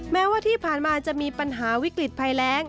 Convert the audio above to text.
แม้ว่าที่ผ่านมาจะมีปัญหาวิกฤตภัยแรง